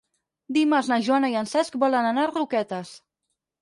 Dimarts na Joana i en Cesc volen anar a Roquetes.